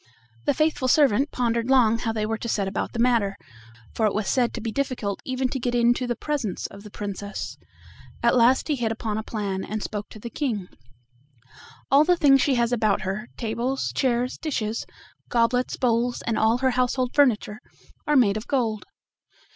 The faithful servant pondered long how they were to set about the matter, for it was said to be difficult even to get into the presence of the Princess. At length he hit upon a plan, and spoke to the King: "All the things she has about her tables, chairs, dishes, goblets, bowls, and all her household furniture are made of gold.